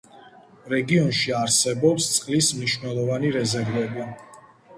რეგიონში არსებობს წყლის მნიშვნელოვანი რეზერვები.